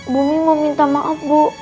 bumi mau minta maaf bu